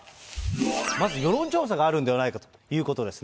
まず世論調査があるんではないかということですね。